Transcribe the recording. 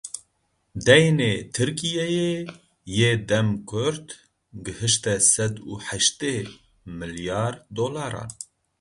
Deynê Tirkiyeyê yê dem kurt gihişte sed û heştê milyar dolaran.